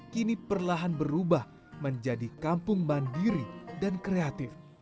kini perlahan berubah menjadi kampung mandiri dan kreatif